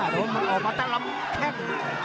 โดนมันออกมาแต่ลำแข้ง